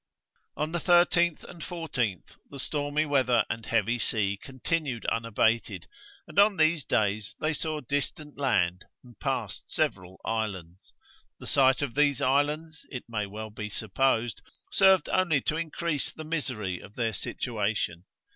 On the 13th and 14th the stormy weather and heavy sea continued unabated, and on these days they saw distant land, and passed several islands. The sight of these islands, it may well be supposed, served only to increase the misery of their situation.